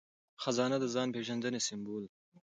خزانه د ځان پیژندنې سمبول دی.